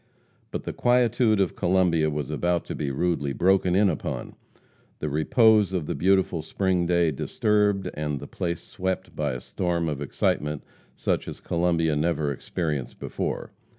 But the quietude of Columbia was about to be rudely broken in upon, the repose of the beautiful spring day disturbed, and the place swept by a storm of excitement such as Columbia never experienced before.